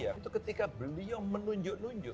itu ketika beliau menunjuk nunjuk